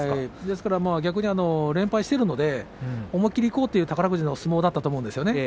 逆に連敗しているので思い切りいこうという宝富士の相撲だったと思うんです。